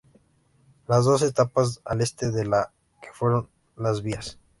Las dos estaban al este de lo que fueron las vías.